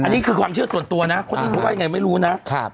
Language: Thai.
อันนี้คือความเชื่อส่วนตัวนะคนอื่นเขาว่ายังไงไม่รู้นะ